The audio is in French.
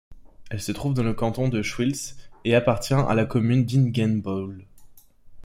Elle se trouve dans le canton de Schwytz et appartient à la commune d'Ingenbohl.